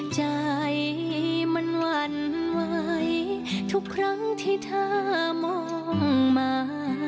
ใจมันหวั่นไหวทุกครั้งที่เธอมองมา